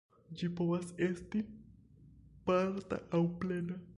Ĝi povas esti parta aŭ plena.